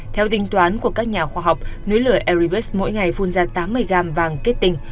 theo tính toán của các nhà khoa học núi lửa erybus mỗi ngày phun ra tám mươi gram vàng kết tinh